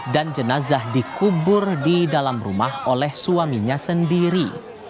dan jenazah dikubur di dalam rumah oleh suaminya sendiri